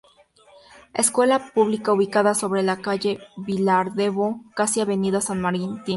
Escuela pública ubicada sobre la calle Vilardebó casi avenida San Martín.